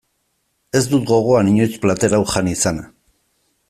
Ez dut gogoan inoiz plater hau jan izana.